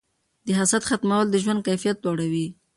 د حسد ختمول د ژوند کیفیت لوړوي.